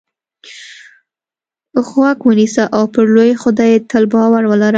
غوږ ونیسه او په لوی خدای تل باور ولره.